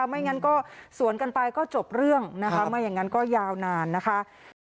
ไม่งั้นก็สวนกันไปก็จบเรื่องนะคะไม่อย่างนั้นก็ยาวนานนะคะ